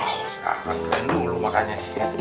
oh sekarang makan dulu makanya